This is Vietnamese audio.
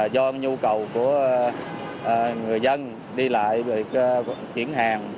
do nhu cầu của người dân đi lại rồi chuyển hàng